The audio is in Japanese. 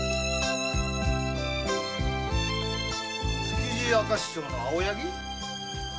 築地明石町の「青柳」？